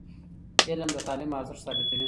علم د تعلیم ارزښت ثابتوي.